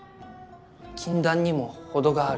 禁断にも程がある。